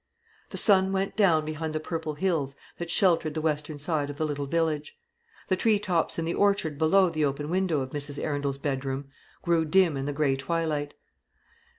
The sun went down behind the purple hills that sheltered the western side of the little village. The tree tops in the orchard below the open window of Mrs. Arundel's bedroom grew dim in the grey twilight.